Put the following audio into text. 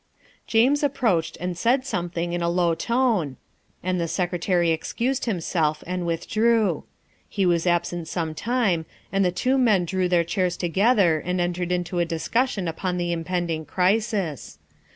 James approached and said something in a low tone, and the Secretary excused himself and withdrew. He was absent some time, and the two men drew their chairs together and entered into a discussion upon the impend ing crisis.